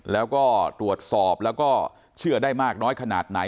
แล้วก็ตรวจสอบแล้วก็เชื่อได้มากน้อยขนาดไหน